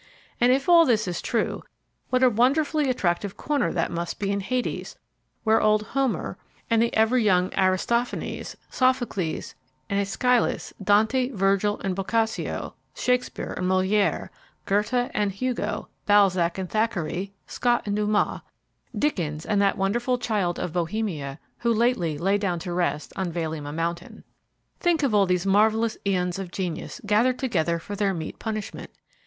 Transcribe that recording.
And if all this is true, what a wonderfully attractive corner that must be in Hades where are old Homer and the ever young Aristophanes, Sophocles and Ã†schylus, Dante, Virgil and Boccaccio, Shakespeare and Moliere, Goethe and Hugo, Balzac and Thackeray, Scott and Dumas, Dickens and that wonderful child of Bohemia, who lately lay down to rest on Vailima mountain. Think of all these marvelous eons of genius gathered together for their meet punishment!